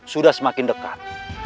sudah semakin dekat